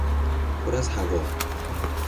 پر از هوا